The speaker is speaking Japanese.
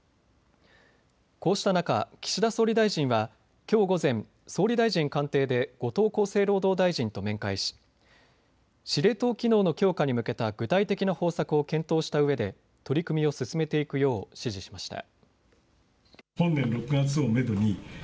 こうしした中、岸田総理大臣はきょう午前、総理大臣官邸で後藤厚生労働大臣と面会し司令塔機能の強化に向けた具体的な方策を検討したうえで取り組みを進めていくよう指示しました。